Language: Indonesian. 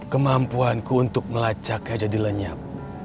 kemampuanku untuk melacaknya jadi lenyap